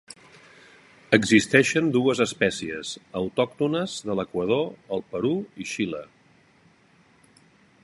Existeixen dues espècies, autòctones de l'Equador, el Perú i Xile.